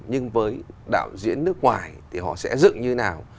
nhưng với đạo diễn nước ngoài thì họ sẽ dựng như nào